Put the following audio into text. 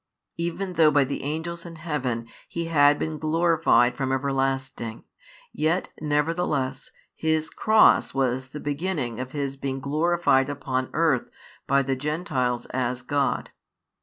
Even though by the angels in heaven He had been glorified from everlasting, yet nevertheless His Cross was the beginning of His being glorified upon earth by the Gentiles as God.